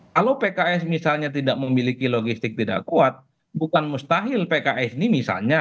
kalau pks misalnya tidak memiliki logistik tidak kuat bukan mustahil pks ini misalnya